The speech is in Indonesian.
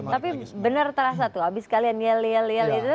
tapi benar terasa tuh habis kalian yel yel yel itu